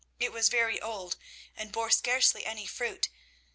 It was very old, and bore scarcely any fruit.